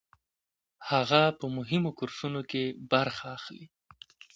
هغه په مهمو کورسونو کې برخه اخلي.